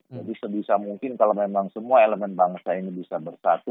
jadi sebisa mungkin kalau memang semua elemen bangsa ini bisa bersatu